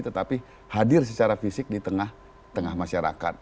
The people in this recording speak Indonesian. tetapi hadir secara fisik di tengah masyarakat